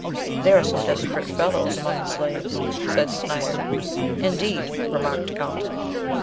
"There are some desperate fellows among the slaves," said Snyder. "Indeed," remarked Carlton.